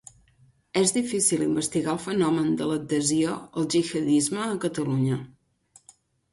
És difícil investigar el fenomen de l'adhesió al jihadisme a Catalunya.